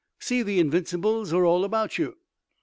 See the Invincibles are all about you!"